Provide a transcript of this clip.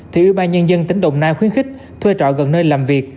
thì ủy ban nhân dân tỉnh đồng nai khuyến khích thuê trọ gần nơi làm việc